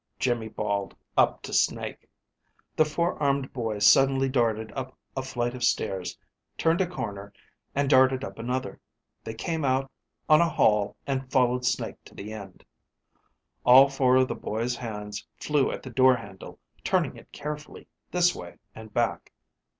Iimmi bawled up to Snake. The four armed boy suddenly darted up a flight of stairs, turned a corner, and darted up another. They came out on a hall and followed Snake to the end. All four of the boy's hands flew at the door handle, turning it carefully, this way, and back.